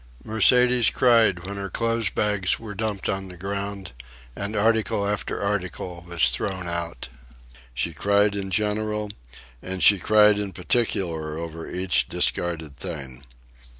Mercedes cried when her clothes bags were dumped on the ground and article after article was thrown out. She cried in general, and she cried in particular over each discarded thing.